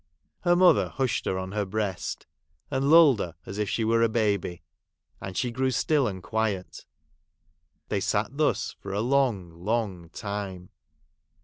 Her mother hushed her on her breast ; and lulled her as if she were a baby ; and she grew still and quiet. They sat thus for a long, long time.